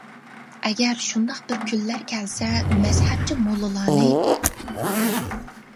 ئەگەر شۇنداق بىر كۈنلەر كەلسە :مەزھەپچى موللىلارنى.